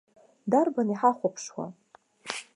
Дарбан иҳахәаԥшуа?